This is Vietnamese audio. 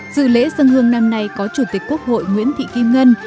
dự lễ dân hương năm nay có chủ tịch quốc hội nguyễn thị kim ngân